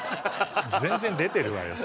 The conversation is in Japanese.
全然出てるわよ。